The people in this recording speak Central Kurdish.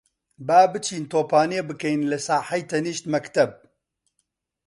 با بچین تۆپانێ بکەین لە ساحەی تەنیشت مەکتەب.